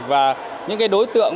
và những đối tượng